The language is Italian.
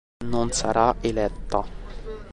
Non sarà eletta.